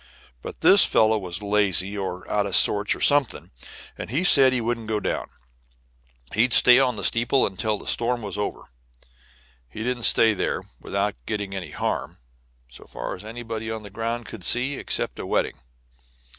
But this fellow was lazy or out of sorts or something, and said he wouldn't go down, he'd stay on the steeple until the storm was over. And he did stay there, without getting any harm, so far as anybody on the ground could see, except a wetting.